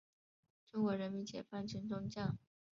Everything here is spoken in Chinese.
中国人民解放军中将。